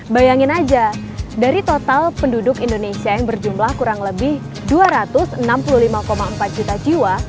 bayangin aja dari total penduduk indonesia yang berjumlah kurang lebih dua ratus enam puluh lima empat juta jiwa